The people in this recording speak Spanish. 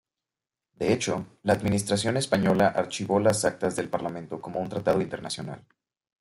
De hecho, la administración española archivó las actas del parlamento como un tratado internacional.